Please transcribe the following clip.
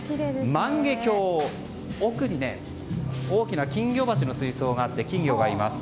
万華鏡、奥に大きな金魚鉢の水槽があって金魚がいます。